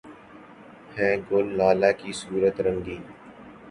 ہیں گل لالہ کی صورت رنگیں